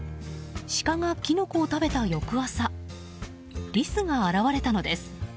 シカがキノコを食べた翌朝リスが現れたのです。